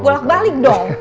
gulak balik dong